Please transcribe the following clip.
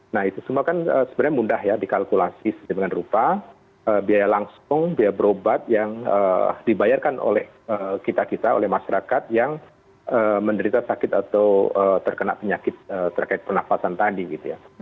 nah itu semua kan sebenarnya mudah ya dikalkulasi dengan rupa biaya langsung biaya berobat yang dibayarkan oleh kita kita oleh masyarakat yang menderita sakit atau terkena penyakit terkait pernafasan tadi gitu ya